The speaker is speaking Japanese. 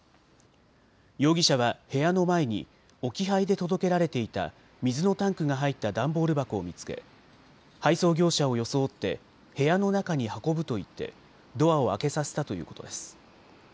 容疑者は部屋の前に置き配で届けられていた水のタンクが入った段ボール箱を見つけ配送業者を装って部屋の中に運ぶと言ってドアを開けさせたということです。